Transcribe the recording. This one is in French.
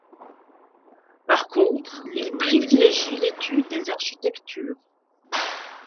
Par contre, il privilègie l'étude des architectures.